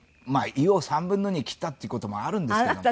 胃を３分の２切ったっていう事もあるんですけどもね。